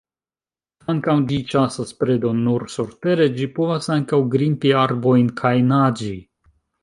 Kvankam ĝi ĉasas predon nur surtere, ĝi povas ankaŭ grimpi arbojn kaj naĝi.